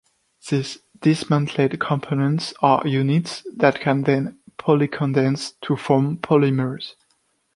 These dismantled components are units that can then polycondense to form polymers.